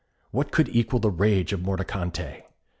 What could equal the rage of Mordicante?